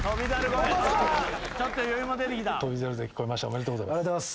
おめでとうございます。